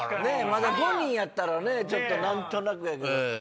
まだ５人やったらね何となく。